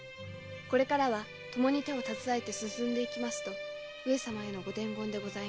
これからはともに手を携えて進んでいきますと上様へのご伝言でございます。